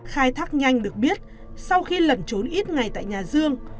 khai thác nhanh được biết sau khi lẩn trốn ít ngày tại nhà dương